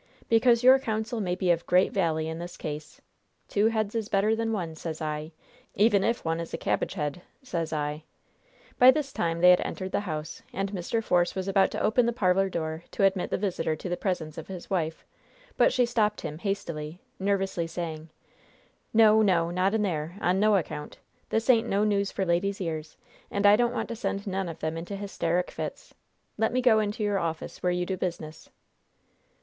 Because your counsel may be of great vally in this case. 'Two heads is better than one,' sez I, even if one is a cabbage head, sez I." By this time they had entered the house, and Mr. Force was about to open the parlor door to admit the visitor to the presence of his wife, but she stopped him, hastily, nervously saying: "No, no, not in there, on no account! This ain't no news for ladies' ears, and I don't want to send none of them into hysterick fits! Let me go into your office, where you do business."